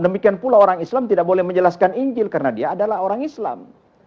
demikian pula orang islam tidak boleh menjelaskan injil karena dia adalah orang islam